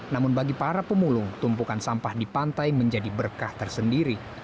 namun bagi para pemulung tumpukan sampah di pantai menjadi berkah tersendiri